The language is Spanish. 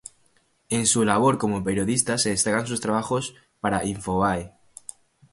En su labor como periodista se destacan sus trabajos para Infobae.